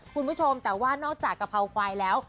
คุณผู้ชมแต่ว่านอกจากกะเพราควายแล้ว